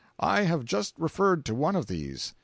I have just referred to one of these.